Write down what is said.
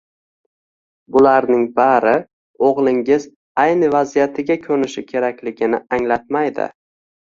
Bularning bari o‘g‘lingiz ayni vaziyatiga ko‘nishi kerakligini anglatmaydi.